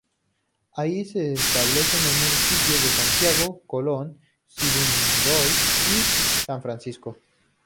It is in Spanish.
Allí se establecen los municipios de Santiago, Colón, Sibundoy y San Francisco.